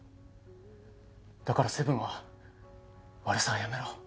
だからセブンは悪さはやめろ。